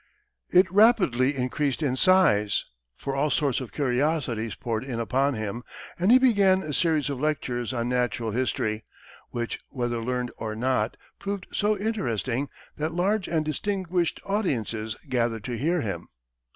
It rapidly increased in size, for all sorts of curiosities poured in upon him, and he began a series of lectures on natural history, which, whether learned or not, proved so interesting that large and distinguished audiences gathered to hear him.